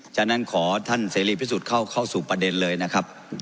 ฉะนั้นขอท่านเสรีพิสุทธิ์เข้าสู่ประเด็นเลยนะครับ